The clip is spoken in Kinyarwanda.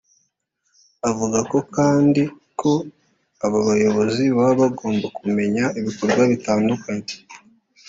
Avuga kandi ko aba bayobozi baba bagomba kumenya ibikorwa bitandukanye